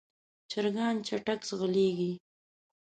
چرګان چټک ځغلېږي.